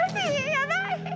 やばい。